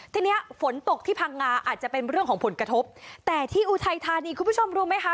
เนี้ยฝนตกที่พังงาอาจจะเป็นเรื่องของผลกระทบแต่ที่อุทัยธานีคุณผู้ชมรู้ไหมคะ